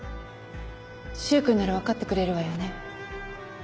柊君なら分かってくれるわよね。